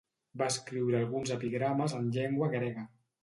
Va escriure alguns epigrames en llengua grega.